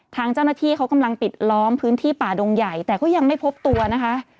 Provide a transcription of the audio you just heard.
ทางเจ้าหน้าที่เขากำลังปิดล้อมพื้นที่ป่าดงใหญ่แต่ก็ยังไม่พบตัวนะคะ